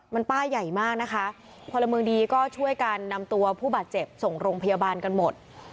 มันป้ายใหญ่มากนะคะพลเมืองดีก็ช่วยกันนำตัวผู้บาดเจ็บส่งโรงพยาบาลกันหมด